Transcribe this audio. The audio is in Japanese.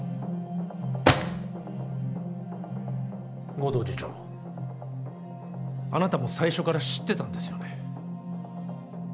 護道次長あなたも最初から知ってたんですよね